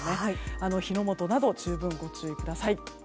火の元など十分ご注意ください。